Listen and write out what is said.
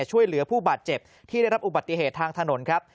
ช่วยเหลือผู้บาดเจ็บที่ได้รับอุบัติเหตุทางถนนครับ